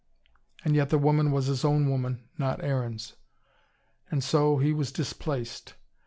And yet the woman was his own woman, not Aaron's. And so, he was displaced.